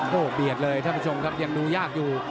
โอ้โหเบียดเลยท่านผู้ชมครับยังดูยากอยู่